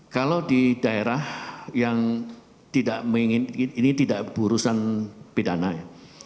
kalau di daerah yang tidak mengingin ini tidak berurusan pidana ya